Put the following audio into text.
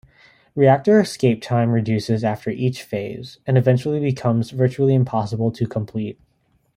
Reactor escape time reduces after each phase and eventually becomes virtually impossible to complete.